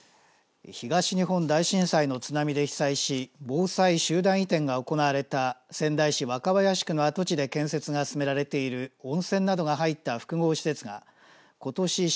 東日本大震災の津波で被災し防災集団移転が行われた仙台市若林区の跡地で建設が進められている温泉などが入った複合施設がことし